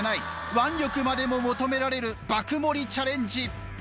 腕力までも求められる爆盛りチャレンジ。